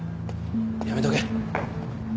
やめとけ。